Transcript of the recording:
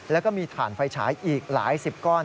แล้วก็มีถ่านไฟฉายอีกหลายสิบก้อน